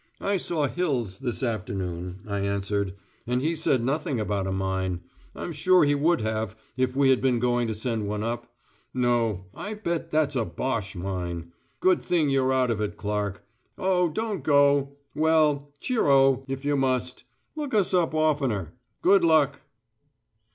"I saw Hills, this afternoon," I answered, "and he said nothing about a mine. I'm sure he would have, if we had been going to send one up. No, I bet that's a Boche mine. Good thing you're out of it, Clark. Oh, don't go. Well, cheero! if you must. Look us up oftener. Good luck!"